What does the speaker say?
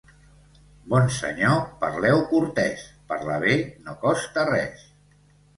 Bon senyor, parleu cortès; parlar bé no costa res.